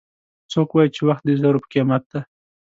څوک وایي چې وخت د زرو په قیمت ده